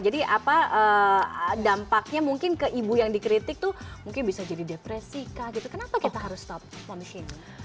jadi apa dampaknya mungkin ke ibu yang dikritik tuh mungkin bisa jadi depresi kah gitu kenapa kita harus stop mom shaming